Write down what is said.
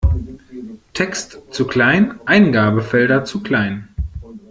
Text zu klein, Eingabefelder zu klein.